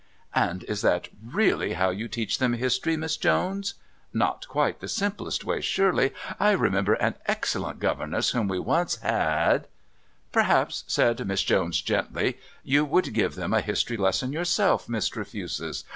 "And is that really how you teach them history, Miss Jones? Not quite the simplest way, surely... I remember an excellent governess whom we once had " "Perhaps," said Miss Jones, gently, "you would give them a history lesson yourself, Miss Trefusis.